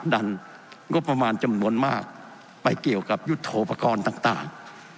ฆ์ดันก็ประมาณจำนวนมากไปเกี่ยวกับยุทโทปกรณ์ต่างต่าง